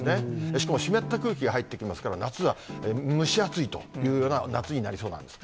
しかも湿った空気が入ってきますから、夏は蒸し暑いというような夏になりそうなんです。